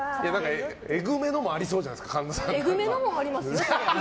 エグめのもありそうじゃないですか。